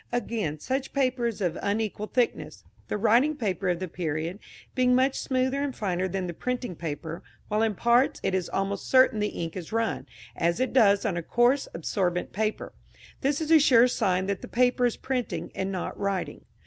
Again, such paper is of unequal thickness, the writing paper of the period being much smoother and finer than the printing paper, while in parts it is almost certain the ink has run, as it does on a coarse, absorbent paper. This is a sure sign that the paper is printing and not writing.